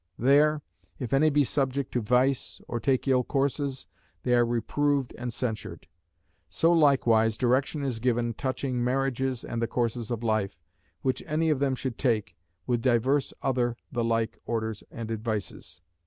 There, if any be subject to vice, or take ill courses, they are reproved and censured. So likewise direction is given touching marriages, and the courses of life, which any of them should take, with divers other the like orders and advices.